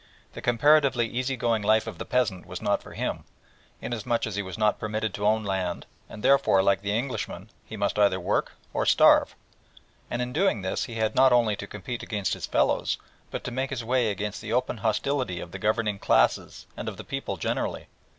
The comparatively easy going life of the peasant was not for him, inasmuch as he was not permitted to own land, and therefore, like the Englishman, he must either work or starve. And in doing this he had not only to compete against his fellows, but to make his way against the open hostility of the governing classes and of the people generally.